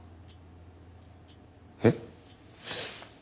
えっ。